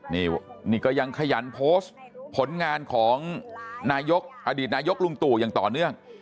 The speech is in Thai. นี่นี่ก็ยังขยันโพสต์ผลงานของนายกอดีตนายกลุงตู่อย่างต่อเนื่อง